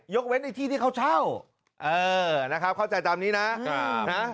เว้นในที่ที่เขาเช่าเออนะครับเข้าใจตามนี้นะ